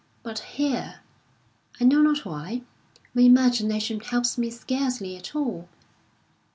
But here, I know not why, my imagi nation helps me scarcely at all.